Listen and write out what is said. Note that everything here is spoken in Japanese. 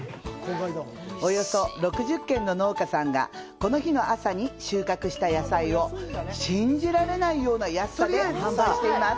およそ６０軒の農家さんがこの日の朝に収穫した野菜を信じられないような安さで販売しています